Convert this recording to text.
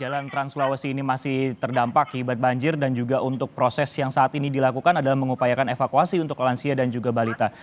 jalan trans sulawesi ini masih terdampak akibat banjir dan juga untuk proses yang saat ini dilakukan adalah mengupayakan evakuasi untuk lansia dan juga balita